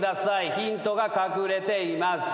ヒントが隠れています。